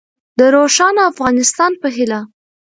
د روښانه افغانستان په هیله.